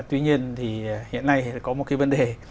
tuy nhiên thì hiện nay có một cái vấn đề